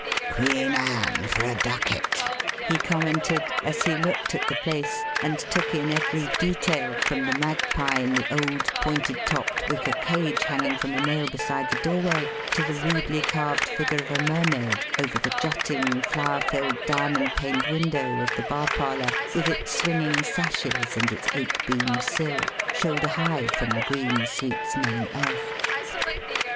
"Queen Anne, for a ducat!" he commented as he looked at the place and took in every detail from the magpie in the old pointed topped wicker cage hanging from a nail beside the doorway to the rudely carved figure of a mermaid over the jutting, flower filled diamond paned window of the bar parlour with its swinging sashes and its oak beam sill, shoulder high from the green, sweet smelling earth.